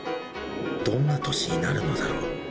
どんな年になるのだろう。